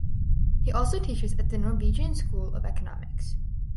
He also teaches at the Norwegian School of Economics.